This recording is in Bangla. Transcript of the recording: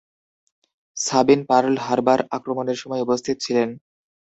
সাবিন পার্ল হারবার আক্রমণের সময় উপস্থিত ছিলেন।